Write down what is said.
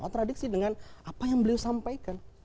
kontradiksi dengan apa yang beliau sampaikan